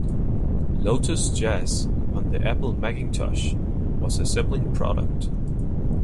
Lotus Jazz on the Apple Macintosh was a sibling product.